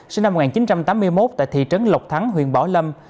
sinh năm một nghìn chín trăm tám mươi một tại thị trấn lộc thắng huyện bảo lâm